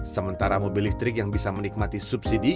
sementara mobil listrik yang bisa menikmati subsidi